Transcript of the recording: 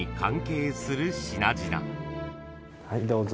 はいどうぞ。